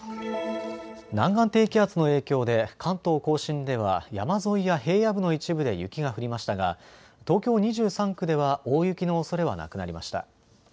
南岸低気圧の影響で関東甲信では山沿いや平野部の一部で雪が降りましたが東京２３区では大雪のおそれはなくなりました。